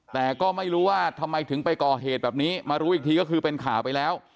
แต่ก็ไม่รู้ว่าทำไมถึงไปก่อเหตุแบบนี้มารู้อีกทีก็คือเป็นข่าวไปแล้ว